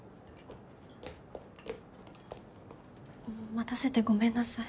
待たせてごめんなさい。